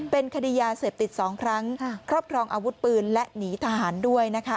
เป็นคดียาเสพติด๒ครั้งครอบครองอาวุธปืนและหนีทหารด้วยนะคะ